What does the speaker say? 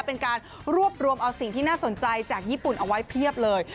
เป็นการรวบรวมเอาสิ่งที่น่าสนใจจากญี่ปุ่นเอาไว้เพียบเลย